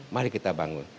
mari kita bangun